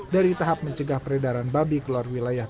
dari tahap mencegah peredaran babi keluar wilayah